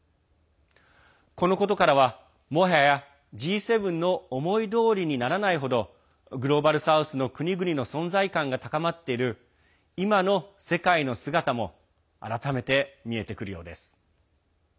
このことからは、もはやＧ７の思いどおりにならない程グローバル・サウスの国々の存在感が高まっている今の世界の姿も改めて見えてくるようです。